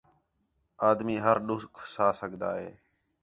آدمی ہر ݙُکھ سہہ سڳدا ہے